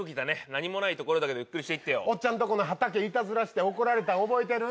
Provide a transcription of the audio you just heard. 何もないところだけどゆっくりしていってよ。おっちゃんとこの畑いたずらして怒られた覚えてる？